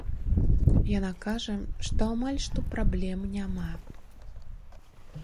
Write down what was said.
Яна кажа, што амаль што праблем няма.